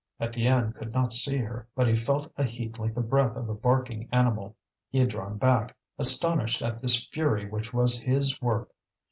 Étienne could not see her, but he felt a heat like the breath of a barking animal. He had drawn back, astonished at this fury which was his work.